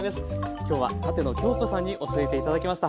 今日は舘野鏡子さんに教えて頂きました。